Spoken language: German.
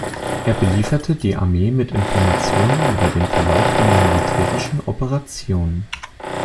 Er beliefert die Armee mit Informationen über den Verlauf von militärischen Operationen.